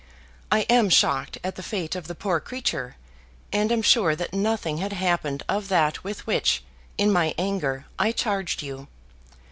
I am shocked at the fate of the poor creature, and am sure that nothing had happened of that with which, in my anger, I charged you.